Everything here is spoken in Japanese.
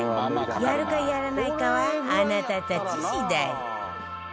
やるかやらないかはあなたたち次第